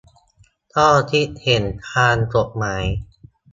ข้อคิดเห็นทางกฎหมาย